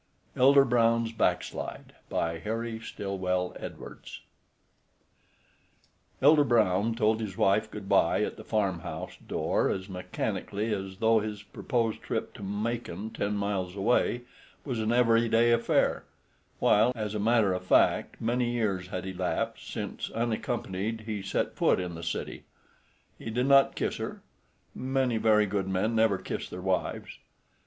ELDER BROWN'S BACKSLIDE By Harry Stillwell Edwards (1855 ) I Elder Brown told his wife good by at the farmhouse door as mechanically as though his proposed trip to Macon, ten miles away, was an everyday affair, while, as a matter of fact, many years had elapsed since unaccompanied he set foot in the city. He did not kiss her. Many very good men never kiss their wives.